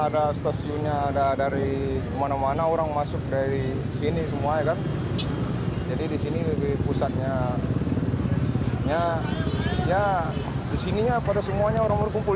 di sini pada semuanya orang orang kumpul